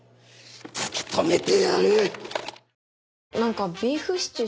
突き止めてやる！